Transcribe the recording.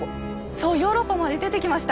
そうヨーロッパまで出てきました！